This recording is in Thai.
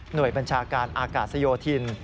หน่วยบัญชาการอากาศยโยธิน